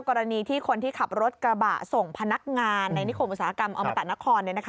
กรณีที่คนที่ขับรถกระบะส่งพนักงานในนิคมอุตสาหกรรมอมตะนคร